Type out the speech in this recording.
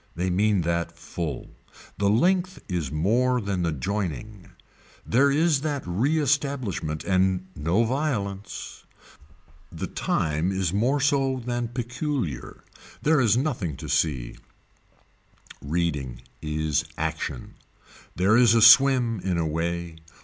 They mean that full. The length is more than the joining. There is that reestablishment and no violence. The time is more so than peculiar. There is nothing to see. Reading is action. There is a swim in a way.